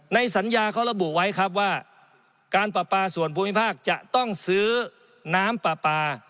ในสัญญาเขาระบุไว้ครับว่าการปลาปลาส่วนภูมิภาคจะต้องซื้อน้ำปลาปลา